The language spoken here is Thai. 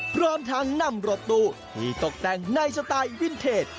พร้อมทั้งนำรถตู้ที่ตกแต่งในสไตล์วินเทจ